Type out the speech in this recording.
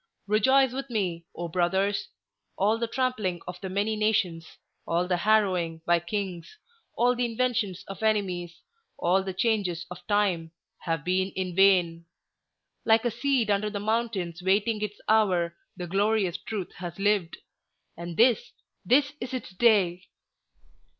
Rejoice with me, O brothers! All the trampling by the many nations, all the harrowing by kings, all the inventions of enemies, all the changes of time, have been in vain. Like a seed under the mountains waiting its hour, the glorious Truth has lived; and this—this is its day!"